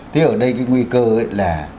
thế ở đây cái nguy cơ là